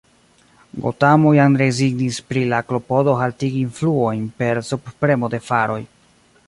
Gotamo jam rezignis pri la klopodo haltigi influojn per subpremo de faroj.